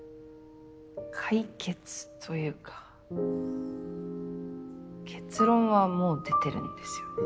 解決というか結論はもう出てるんですよね。